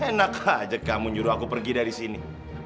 enak aja kamu nyuruh aku pergi dari sini